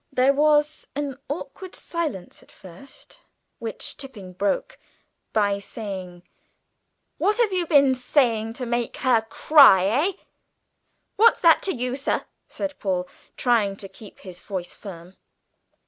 There was an awkward silence at first, which Tipping broke by saying, "What have you been saying to make her cry, eh?" "What's that to you, sir?" said Paul, trying to keep his voice firm.